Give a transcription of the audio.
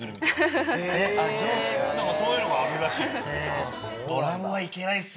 そういうのがあるらしいですよ。